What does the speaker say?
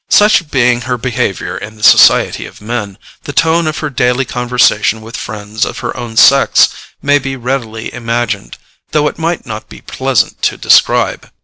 Such being her behaviour in the society of men, the tone of her daily conversation with friends of her own sex may be readily imagined, though it might not be pleasant to describe.